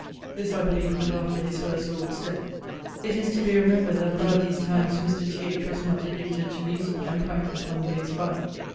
[C.] This, I beleeve, was after his first lord's death. It is to be remembred that about these times, Mr. T. H. was much addicted to musique, and practised on the base violl.